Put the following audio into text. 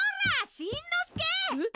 しんのすけ！